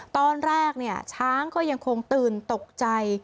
ตอนแรกช้างก็ยังคงตื่นตกใจ